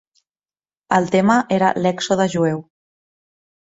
El tema era l'Èxode jueu.